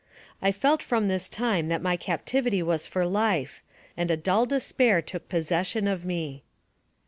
I felt from this time that my captivity was for life, and a dull despair took possession of me.